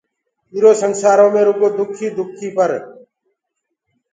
ايٚرو سنسآرو مي رُگو دُک ئي دُک ئينٚ پر